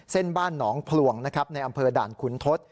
เส้นบ้านหนองพลวงนะครับในอำเภอด่านขุนทศ